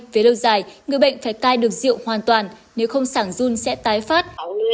về lâu dài người bệnh phải cai được rượu hoàn toàn nếu không sản run sẽ tái phát